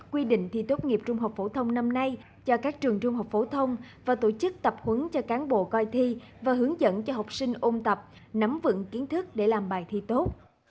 quy định thi tốt nghiệp trung học phổ thông năm nay cho các trường trung học phổ thông và tổ chức tập huấn cho cán bộ coi thi và hướng dẫn cho học sinh ôn tập nắm vững kiến thức để làm bài thi tốt